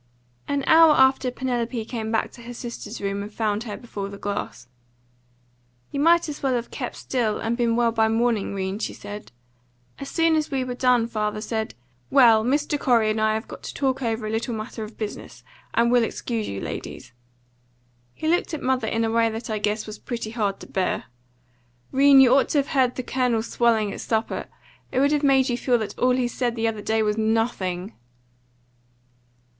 An hour after Penelope came back to her sister's room and found her before her glass. "You might as well have kept still, and been well by morning, 'Rene," she said. "As soon as we were done father said, 'Well, Mr. Corey and I have got to talk over a little matter of business, and we'll excuse you, ladies.' He looked at mother in a way that I guess was pretty hard to bear. 'Rene, you ought to have heard the Colonel swelling at supper. It would have made you feel that all he said the other day was nothing."